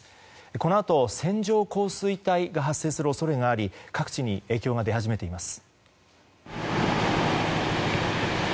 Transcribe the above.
このあと線状降水帯が発生する恐れがあり各地に影響が出始めています。